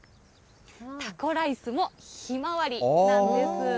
タコライスもヒマワリなんです。